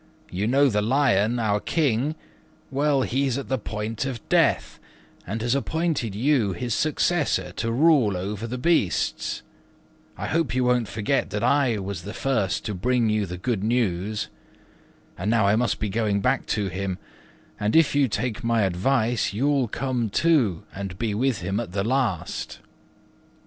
You know the Lion, our King: well, he's at the point of death, and has appointed you his successor to rule over the beasts. I hope you won't forget that I was the first to bring you the good news. And now I must be going back to him; and, if you take my advice, you'll come too and be with him at the last."